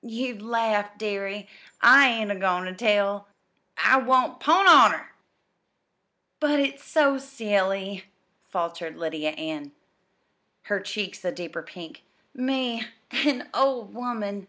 "You'd laugh, dearie. I ain't a goin' ter tell." "I won't 'pon honor!" "But it's so silly," faltered Lydia Ann, her cheeks a deeper pink. "Me an old woman!"